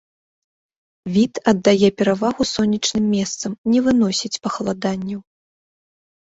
Від аддае перавагу сонечным месцам, не выносіць пахаладанняў.